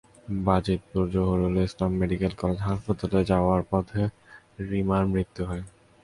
Bajitpur Zahurul Islam medical college হাসপাতালে নিয়ে যাওয়ার পথে রিমার মৃত্যু হয়।